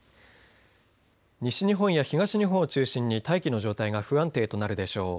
西日本や東日本を中心に大気の状態が不安定となるでしょう。